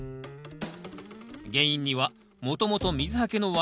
原因にはもともと水はけの悪い土地。